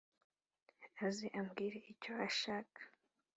aze ambwire icyo ashaka”